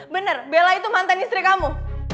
benar bella itu mantan istri kamu